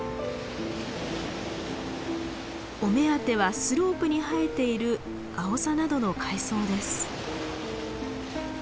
お目当てはスロープに生えているアオサなどの海藻です。